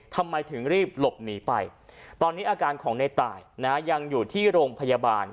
ทำไมถึงรีบหลบหนีไปตอนนี้อาการของในตายนะยังอยู่ที่โรงพยาบาล